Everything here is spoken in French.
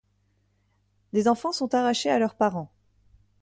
Des enfants sont arrachés à leurs parents.